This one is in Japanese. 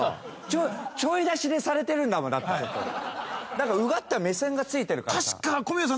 なんかうがった目線がついてるからさ。